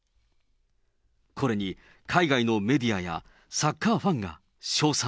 これに海外のメディアやサッカーファンが称賛。